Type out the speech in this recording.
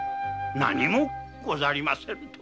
何もござりませぬ。